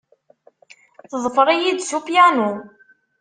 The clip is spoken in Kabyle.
Teḍfer-iyi-d s upyanu.